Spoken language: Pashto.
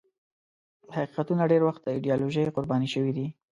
حقیقتونه ډېر وخت د ایدیالوژۍ قرباني شوي دي.